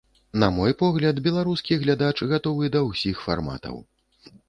На мой погляд, беларускі глядач гатовы да ўсіх фарматаў.